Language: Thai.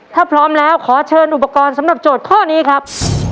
ถ้าพร้อมแล้วขอเชิญอุปกรณ์สำหรับโจทย์ข้อนี้ครับ